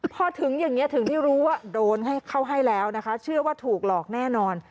พอถึงอย่างนี้ถึงได้รู้ว่าโดนให้เข้าให้แล้วนะคะเชื่อว่าถูกหลอกแน่นอน